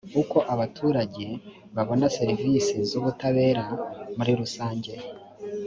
uko abaturage babona serivisi z’ubutabera muri rusange